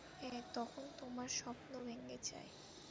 হ্যাঁ, তখন তোমার স্বপ্ন ভেঙে যায়।